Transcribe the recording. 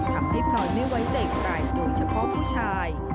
ทำให้พลอยไม่ไว้ใจใจโดยเฉพาะผู้ชาย